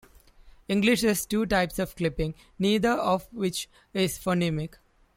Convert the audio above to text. English has two types of clipping, neither of which is phonemic.